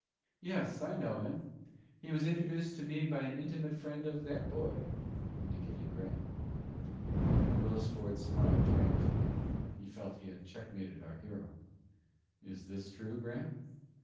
"Yes; I know him. He was introduced to me by an intimate friend of that boy," indicating Grant. Willis Ford smiled triumphantly. He felt that he had checkmated our hero. "Is this true, Grant?"